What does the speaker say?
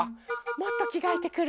もっときがえてくる。